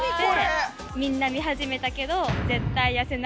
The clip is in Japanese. みんな見始めたけど。